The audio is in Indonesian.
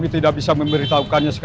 tidak begitu saja pak